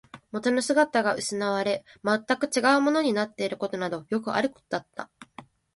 元の姿が失われ、全く違うものになっていることなどよくあることだった